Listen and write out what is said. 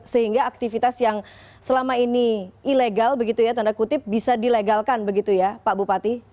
sehingga aktivitas yang selama ini ilegal begitu ya tanda kutip bisa dilegalkan begitu ya pak bupati